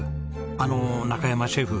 あの中山シェフ。